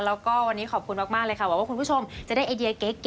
แล้วก็วันนี้ขอบคุณมากเลยค่ะหวังว่าคุณผู้ชมจะได้ไอเดียเก๋